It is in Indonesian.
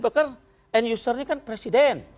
and user nya kan presiden